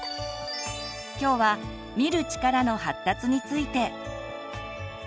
今日は「見る力」の発達について。